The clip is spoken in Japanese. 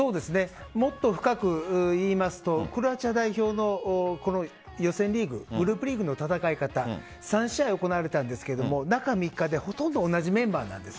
もっと深く言いますとクロアチア代表の予選リーググループリーグの戦い方３試合、行われたんですが中３日でほとんど同じメンバーなんです。